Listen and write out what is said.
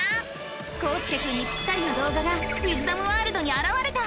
こうすけくんにぴったりの動画がウィズダムワールドにあらわれた！